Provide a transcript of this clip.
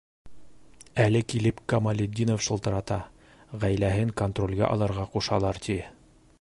Әле килеп Камалетдинов шылтырата: ғаиләһен контролгә алырға ҡушалар, ти...